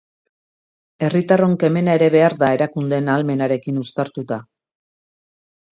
Herritarron kemena ere behar da, erakundeen ahalmenarekin uztartuta.